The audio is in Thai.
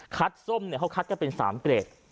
คัดส้มเขาคัดก็เป็น๓เกรด